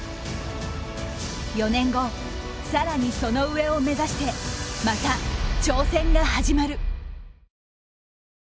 ４年後更にその上を目指してまた挑戦が始まる。